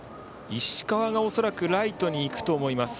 石川が恐らくライトに行くと思います。